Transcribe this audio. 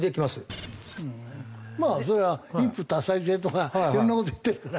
まあそれは一夫多妻制とかいろんな事言ってるから。